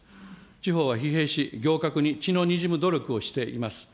地方は疲弊し、行革に血のにじむ努力をしています。